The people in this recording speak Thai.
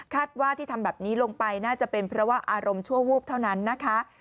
ว่าที่ทำแบบนี้ลงไปน่าจะเป็นเพราะว่าอารมณ์ชั่ววูบเท่านั้นนะคะ